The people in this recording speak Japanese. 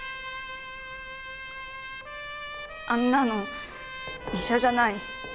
あんなの医者じゃない。